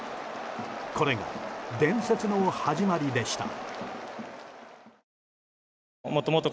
これが伝説の始まりでした。